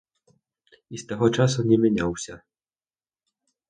І з таго часу не мяняўся.